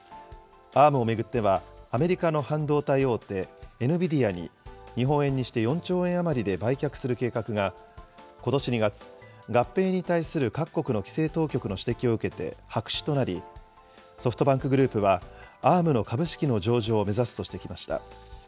Ａｒｍを巡っては、アメリカの半導体大手、エヌビディアに日本円にして４兆円余りで売却する計画が、ことし２月、合併に対する各国の規制当局の指摘を受けて白紙となり、ソフトバンクグループは、Ａｒｍの株式の上場を目指すとしてきました。